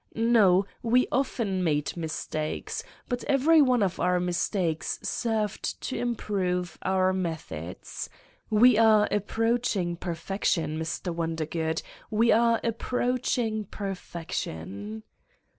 No, we often made mistakes, but every one of our mistakes served to improve our methods ... we are approaching perfection, Mr. Wondergood, we are approaching perfection!"